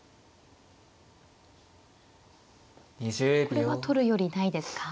これは取るよりないですか。